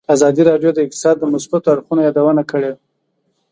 ازادي راډیو د اقتصاد د مثبتو اړخونو یادونه کړې.